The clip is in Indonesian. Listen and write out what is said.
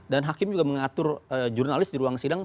dan hakim juga mengatur jurnalis di ruang sidang